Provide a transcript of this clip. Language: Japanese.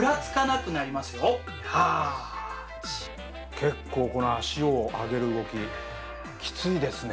結構この足を上げる動ききついですね。